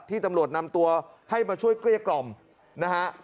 ตำรวจนำตัวให้มาช่วยเกลี้ยกล่อมนะฮะ